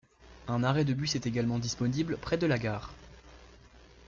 Un arrêt de bus est également disponible prés de la gare.